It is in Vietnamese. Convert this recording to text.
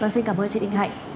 xin cảm ơn chị đinh hạnh